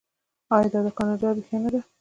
آیا دا د کاناډا روحیه نه ده؟